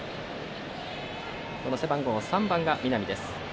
背番号の３番が南です。